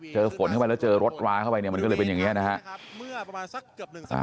ฝนเข้าไปแล้วเจอรถราเข้าไปเนี่ยมันก็เลยเป็นอย่างนี้นะครับ